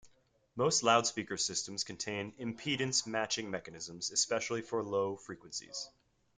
Most loudspeaker systems contain impedance matching mechanisms, especially for low frequencies.